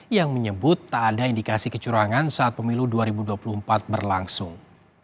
yang menyebut tak ada indikasi kecurangan saat pemilu dua ribu dua puluh empat berlangsung